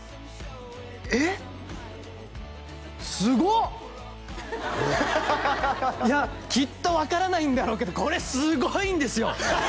えっ？すごっ！きっと分からないんだろうけどこれすごいんですよ！